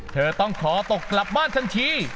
เธอต้องขอตกกลับบ้านทันที